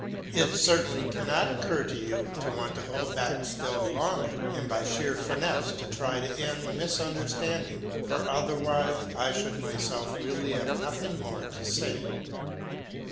It certainly cannot occur to you to want to hold back still longer, and by sheer finesse to try to end the misunderstanding; for otherwise I should myself really have nothing more to say.